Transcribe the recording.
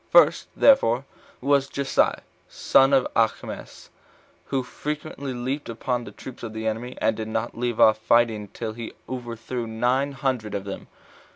First, therefore, was Jessai, the son of Achimaas, who frequently leaped upon the troops of the enemy, and did not leave off fighting till he overthrew nine hundred of them.